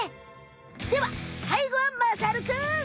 ではさいごはまさるくん！